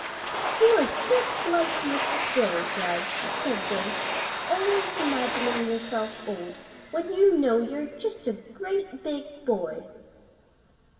"You are just like Mrs. Gray, Judge," said Grace, "always imagining yourself old, when you know you're just a great big boy."